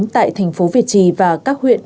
tại thành phố việt trì và các huyện